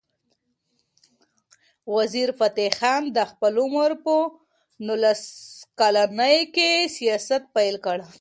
وزیرفتح خان د خپل عمر په نولس کلنۍ کې سیاست پیل کړ.